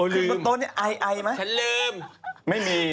ลืมฉันลืมไม่มี